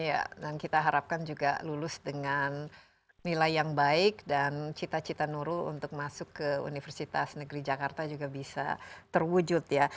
ya dan kita harapkan juga lulus dengan nilai yang baik dan cita cita nurul untuk masuk ke universitas negeri jakarta juga bisa terwujud ya